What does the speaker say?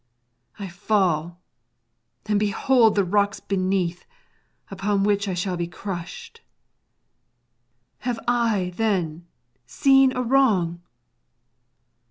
I fall, and behold the rocks beneath, upon which I shall be crushed. Have I, then, seen a wrong?